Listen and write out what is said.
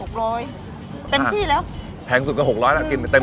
คนที่มาทานอย่างเงี้ยควรจะมาทานแบบคนเดียวนะครับ